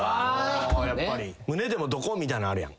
胸でもどこみたいなのあるやん。